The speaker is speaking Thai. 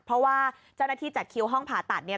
เพราะว่าเจ้าหน้าที่จัดคิวห้องผ่าตัดเนี่ย